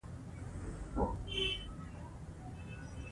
هغه له ټنډې لاسونه لرې کړل. .